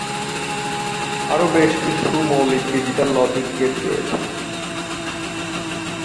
আরো বেশ কিছু মৌলিক ডিজিটাল লজিক গেট রয়েছে।